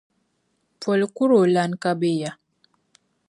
Poli kuri o lana ka be ya?